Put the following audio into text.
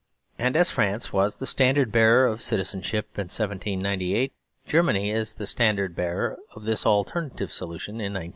And as France was the standard bearer of citizenship in 1798, Germany is the standard bearer of this alternative solution in 1915.